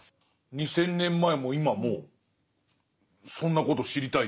２，０００年前も今もそんなこと知りたいですね。